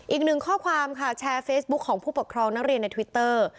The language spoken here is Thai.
อีกหนึ่งข้อความค่ะแชร์เฟซบุ๊คของผู้ปกครองนักเรียนในทวิตเตอร์